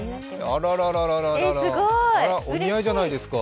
あら、お似合いじゃないですか。